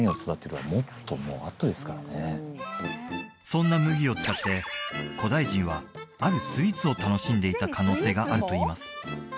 そんな麦を使って古代人はあるスイーツを楽しんでいた可能性があるといいます